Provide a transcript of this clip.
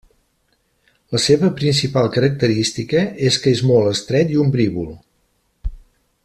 La seva principal característica és que és molt estret i ombrívol.